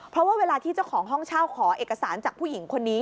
เพราะว่าเวลาที่เจ้าของห้องเช่าขอเอกสารจากผู้หญิงคนนี้